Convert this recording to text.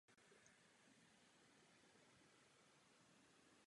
Navíc se Brian začal později vůči všem chovat nepřátelsky.